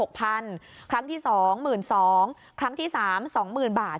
ครั้งที่๒หมื่น๒ครั้งที่๓สองหมื่นบาท